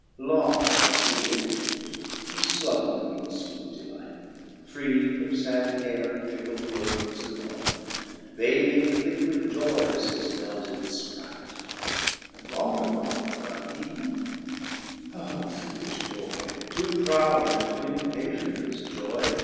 9 Long thus he liv'd, flumbring in fweete delight. Free from fad care and fickle worlds annoy. Bathing in liquid joyes his melted fprite ; And longer mought, but he (ah, foolifh Boy !) Too proud, and too impatient of his joy.